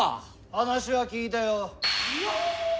話は聞いたよ。